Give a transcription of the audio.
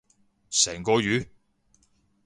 成個月？